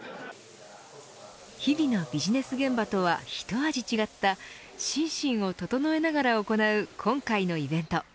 日々のビジネス現場とは一味違った心身を整えながら行う今回のイベント。